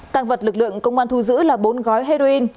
tăng vật lực lượng công an thu giữ là bốn gói heroin